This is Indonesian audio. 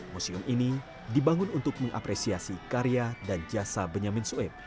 museum ini dibangun untuk mengapresiasi karya dan jasa benyamin sueb